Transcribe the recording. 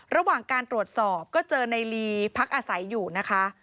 ระหว่างการตรวจสอบก็เจอในลีพักอาศัยอยู่นะคะ